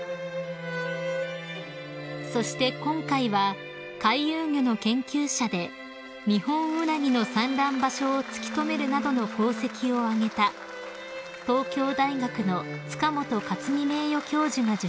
［そして今回は回遊魚の研究者でニホンウナギの産卵場所を突き止めるなどの功績を挙げた東京大学の塚本勝巳名誉教授が受賞］